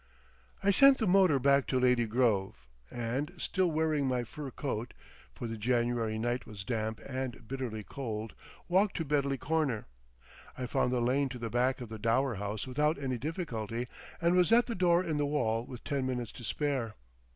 I sent the motor back to Lady Grove, and still wearing my fur coat—for the January night was damp and bitterly cold—walked to Bedley Corner. I found the lane to the back of the Dower House without any difficulty, and was at the door in the wall with ten minutes to spare.